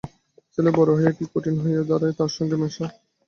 ছেলে বড় হইয়া কী কঠিন হইয়া দাড়ায় তার সঙ্গে মেশা।